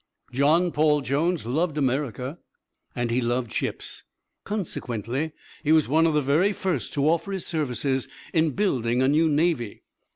John Paul Jones loved America and he loved ships. Consequently he was one of the very first to offer his services in building a new navy.